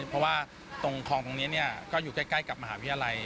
เพราะว่าตรงคลองตรงนี้ก็อยู่ใกล้กับมหาวิทยาลัย